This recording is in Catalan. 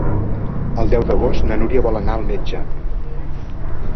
El deu d'agost na Núria vol anar al metge.